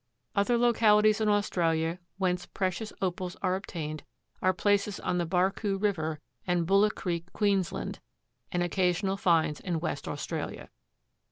Other localities in Australia whence precious Opals are obtained are places on the Barcoo River and Bulla Creek, Queensland, and occasional finds in West Australia.